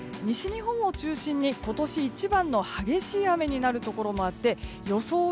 西日本を中心に今年一番の激しい雨になるところがあって予想